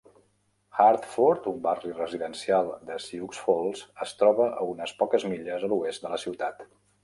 Hartford, un barri residencial de Sioux Falls, es troba a unes poques milles a l'oest de la ciutat.